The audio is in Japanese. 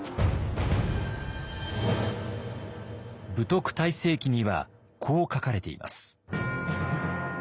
「武徳大成記」にはこう書かれています。